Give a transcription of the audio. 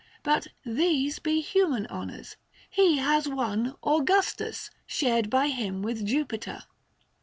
650 Bat these be human honours : he has won " Augustus," shared by him with Jupiter.